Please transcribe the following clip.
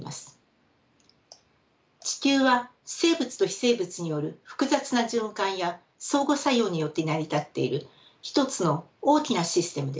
地球は生物と非生物による複雑な循環や相互作用によって成り立っている一つの大きなシステムです。